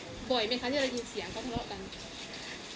บ่อยไหมคะที่ได้ยินเสียงเขาทะเลาะกัน